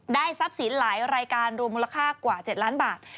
ทรัพย์สินหลายรายการรวมมูลค่ากว่า๗ล้านบาท